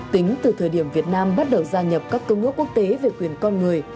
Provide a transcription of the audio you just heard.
tính từ thời điểm việt nam bắt đầu gia nhập các công ước quốc tế về quyền con người